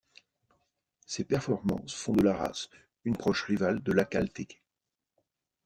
Ces performances font de la race une proche rivale de l'Akhal-Teke.